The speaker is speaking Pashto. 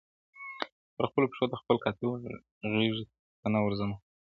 پر خپلو پښو د خپل قاتل غیږي ته نه ورځمه-